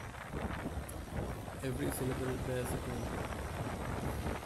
Every syllable bears a tone.